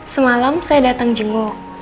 semalam saya datang jenguk